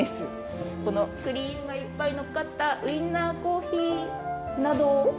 このクリームがいっぱいのっかったウインナーコーヒーなどを。